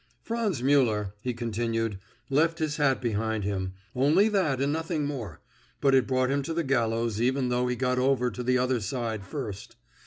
"Franz Müller," he continued, "left his hat behind him, only that and nothing more, but it brought him to the gallows even though he got over to the other side first.